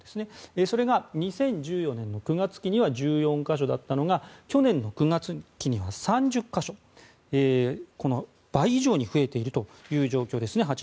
それが、２０１４年の９月期には１４か所だったのが去年の９月期には３０か所８年ほどで倍以上に増えているという状況です。